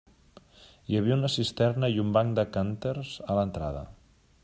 Hi havia una cisterna i un banc de cànters a l'entrada.